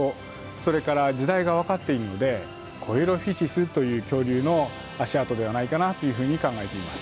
それから時代がわかっているのでコエロフィシスという恐竜の足跡ではないかなというふうに考えています。